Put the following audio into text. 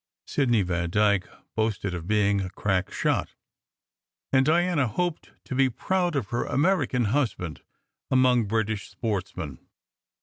Sidney Vandyke boasted of being a crack shot, and Diana hoped to be proud of her American husband among British sports men.